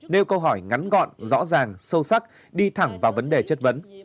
nêu câu hỏi ngắn gọn rõ ràng sâu sắc đi thẳng vào vấn đề chất vấn